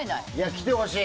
来てほしい。